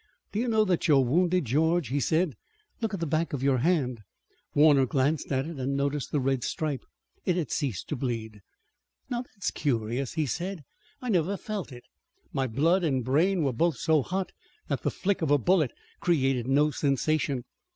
"Do you know that you are wounded, George?" he said. "Look at the back of your hand." Warner glanced at it and noticed the red stripe. It had ceased to bleed. "Now, that's curious," he said. "I never felt it. My blood and brain were both so hot that the flick of a bullet created no sensation.